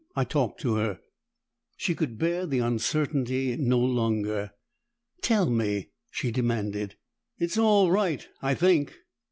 I talked to her." She could bear the uncertainty no longer. "Tell me!" she demanded. "It's all right, I think."